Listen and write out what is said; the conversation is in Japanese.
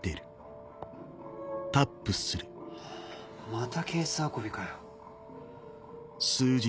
またケース運びかよ。